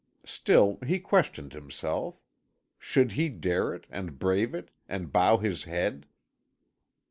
Still he questioned himself. Should he dare it, and brave it, and bow his head?